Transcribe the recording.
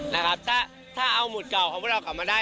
นะครับถ้าเอาหมุดเก่าของพวกเรากลับมาได้